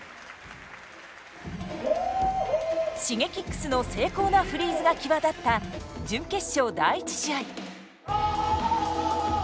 Ｓｈｉｇｅｋｉｘの精巧なフリーズが際立った準決勝第１試合。